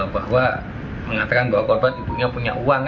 bahwa mengatakan bahwa korban ibunya punya uang